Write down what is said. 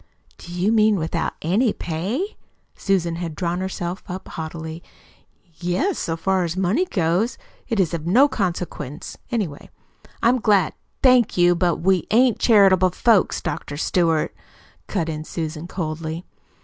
"Do you mean without ANY pay?" Susan had drawn herself up haughtily. "Yes. So far as money goes it is of no consequence, anyway. I'm glad " "Thank you, but we ain't charitable folks, Dr. Stewart," cut in Susan coldly.